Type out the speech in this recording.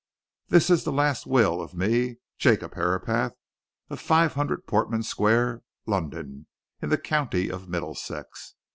"'This is the last will of me, Jacob Herapath, of 500, Portman Square, London, in the County of Middlesex.